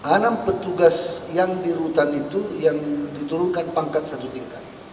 enam petugas yang di rutan itu yang diturunkan pangkat satu tingkat